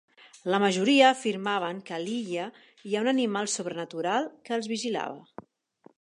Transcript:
La majoria afirmaven que a l'illa hi ha un animal sobrenatural, que els vigilava.